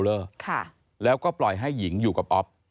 เล่าก็ปล่อยให้หญิงอยู่กับอ๊อบ